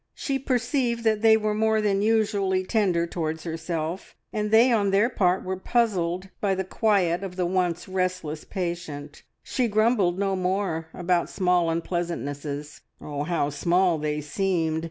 She perceived that they were more than usually tender towards herself, and they on their part were puzzled by the quiet of the once restless patient. She grumbled no more about small unpleasantnesses oh, how small they seemed!